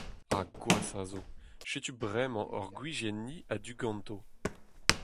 Ha gwashañ zo, setu bremañ hor gwizien-ni a-du ganto.